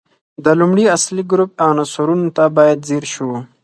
د لومړي اصلي ګروپ عنصرونو ته باید ځیر شو.